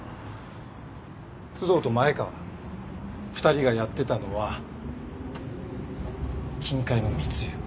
須藤と前川２人がやってたのは金塊の密輸。